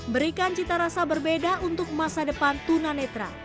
berikan cita rasa berbeda untuk masa depan tuna netra